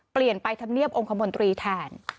เปลี่ยนไปทำเนียบองคมนตรีแทน